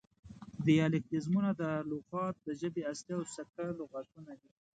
دیالیکتیزمونه: دا لغات د ژبې اصلي او سکه لغتونه دي